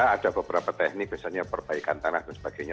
ada beberapa teknik misalnya perbaikan tanah dan sebagainya